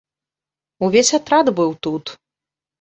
Увесь атрад быў тут.